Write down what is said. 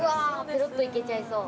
ぺろっといけちゃいそう。